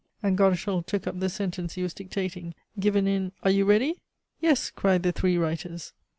And Godeschal took up the sentence he was dictating "given in Are you ready?" "Yes," cried the three writers.